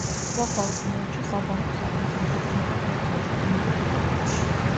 შუა საუკუნეებში საბანკო საქმის აღორძინება დაიწყო ჩრდილოეთ იტალიაში.